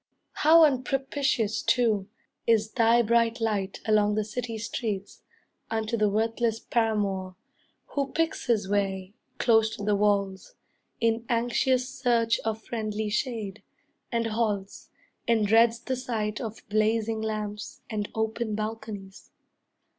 How unpropitious, too, Is thy bright light along the city streets, Unto the worthless paramour, who picks His way, close to the walls, in anxious search Of friendly shade, and halts, and dreads the sight Of blazing lamps, and open balconies.